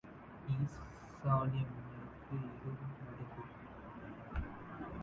ஈசான்ய மின்னலுக்கு எருதும் நடுங்கும்.